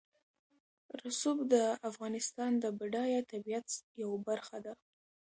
رسوب د افغانستان د بډایه طبیعت یوه برخه ده.